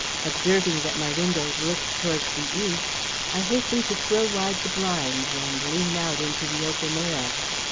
Observing that my windows looked towards the east, I hastened to throw wide the blinds and lean out into the open air.